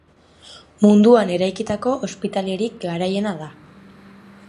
Munduan eraikitako ospitalerik garaiena da.